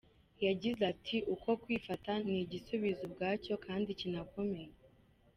Yagize ati “Uko kwifata ni igisubizo ubwacyo kandi kinakomeye.